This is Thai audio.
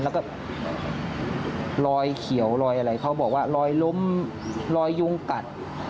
แล้วก็รอยเขียวรอยอะไรเขาบอกว่ารอยล้มรอยยุงกัด